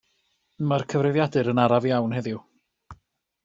Mae'r cyfrifiadur yn araf iawn heddiw.